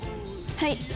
はい。